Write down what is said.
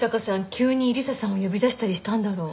急に理彩さんを呼び出したりしたんだろう？